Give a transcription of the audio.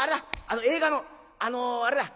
あの映画のあのあれだ！